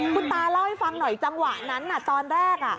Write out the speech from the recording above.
คุณตาเล่าให้ฟังหน่อยจังหวะนั้นตอนแรก